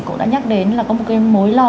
cũng đã nhắc đến là có một cái mối lo